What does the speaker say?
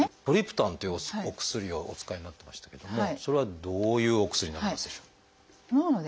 トリプタンというお薬をお使いになってましたけどもそれはどういうお薬になりますでしょう？